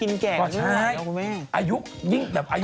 กินแก่อย่างนี้หรอคุณแม่งอายุยิ่งแบบอายุ